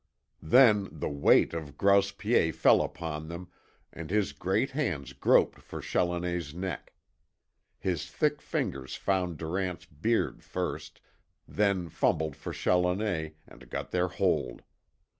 Then the weight of Grouse Piet fell upon them, and his great hands groped for Challoner's neck. His thick fingers found Durant's beard first, then fumbled for Challoner, and got their hold.